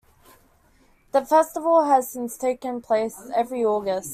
The Festival has since taken place every August.